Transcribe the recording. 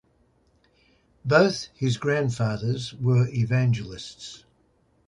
Both of his grandfathers were evangelists.